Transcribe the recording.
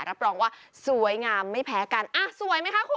รับรองว่าสวยงามไม่แพ้กันอ่ะสวยไหมคะคุณ